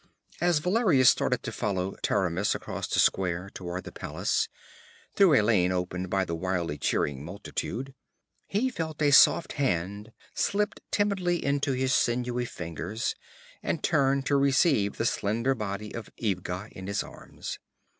As Valerius started to follow Taramis across the square towards the palace, through a lane opened by the wildly cheering multitude, he felt a soft hand slipped timidly into his sinewy fingers and turned to receive the slender body of Ivga in his arms.